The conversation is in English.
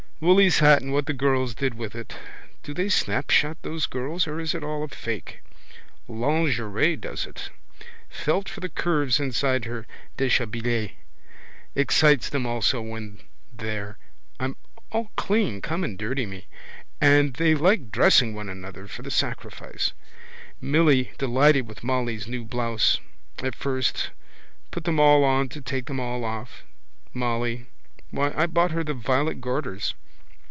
Willy's hat and what the girls did with it. Do they snapshot those girls or is it all a fake? Lingerie does it. Felt for the curves inside her déshabillé. Excites them also when they're. I'm all clean come and dirty me. And they like dressing one another for the sacrifice. Milly delighted with Molly's new blouse. At first. Put them all on to take them all off. Molly. Why I bought her the violet garters.